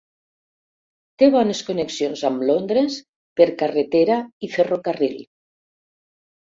Té bones connexions amb Londres per carretera i ferrocarril.